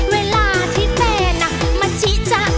เวลาที่แฟนมาจี้จ้า